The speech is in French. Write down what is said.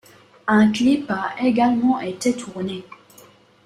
Un clip a également été tourné.